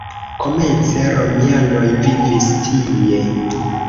Komence romianoj vivis tie.